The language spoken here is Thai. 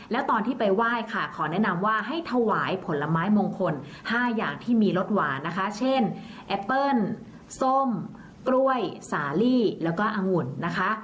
แล้วตอนที่ไปไหว้ค่ะขอแนะนำว่าให้ถวายผลไม้มงคล๕อย่างที่มีรสหวานนะคะเช่นแอปเปิ้ลส้มกล้วยสาลีแล้วก็องุ่นนะคะ